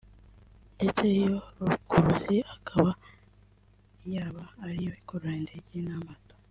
ndetse iyo rukuruzi akaba yaba ariyo ikurura indege n'amato